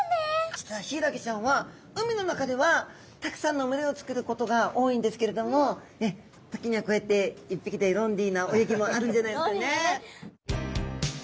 実はヒイラギちゃんは海の中ではたくさんの群れをつくることが多いんですけれども時にはこうやって１匹でロンリーな泳ぎもあるんじゃないですかね。